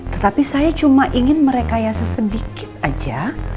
tetapi saya cuma ingin merekayasa sedikit aja